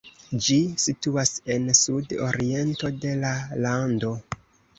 Ĝi situas en sud-oriento de la lando.